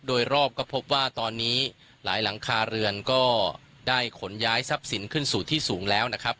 โดยรอบก็พบว่าตอนนี้หลายหลังคาเรือนก็ได้ขนย้ายทรัพย์สินขึ้นสู่ที่สูงแล้วนะครับ